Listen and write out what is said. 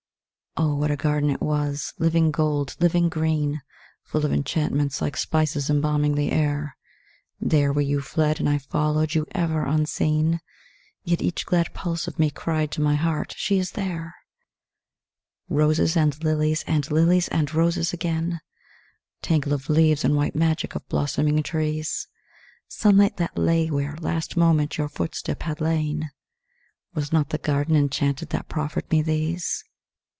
OH, what a garden it was, living gold, living green, Full of enchantments like spices embalming the air, There, where you fled and I followed you ever unseen, Yet each glad pulse of me cried to my heart, "She is there!" Roses and lilies and lilies and roses again, Tangle of leaves and white magic of blossoming trees, Sunlight that lay where, last moment, your footstep had lain Was not the garden enchanted that proffered me these?